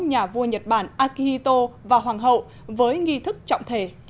nhà vua nhật bản akihito và hoàng hậu với nghi thức trọng thể